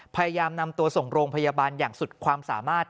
พยายามนำตัวส่งโรงพยาบาลอย่างสุดความสามารถ